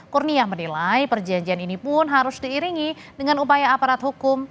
kurnia menilai perjanjian ini pun harus diiringi dengan upaya aparat hukum